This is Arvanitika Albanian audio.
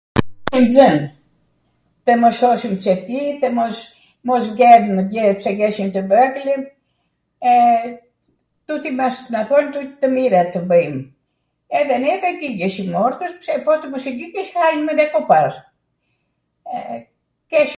nxwn. Tw mos thoshim psefti, tw mos vjedhmw gjw pse jeshwm tw vegjlw, e, tuti bashk, na thonin tuti tw mirat tw bwjm, edhe neve i gjigjeshim ordrwt pse po tw mos e gjigjeshim hajwm edhe kopar. e, keshm